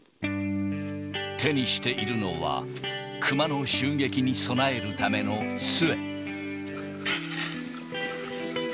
手にしているのは、熊の襲撃に備えるためのつえ。